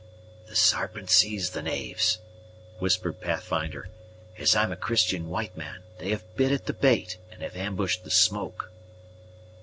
"The Sarpent sees the knaves!" whispered Pathfinder. "As I'm a Christian white man, they have bit at the bait, and have ambushed the smoke!"